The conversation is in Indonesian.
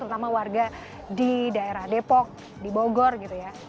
terutama warga di daerah depok di bogor gitu ya